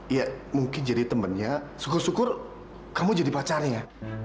iya mungkin jadi temennya syukur syukur kamu jadi pacarnya